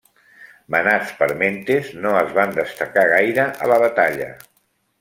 Manats per Mentes, no es van destacar gaire a la batalla.